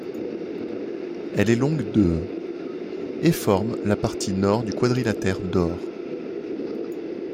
Elle est longue de et forme la partie nord du Quadrilatère d'or.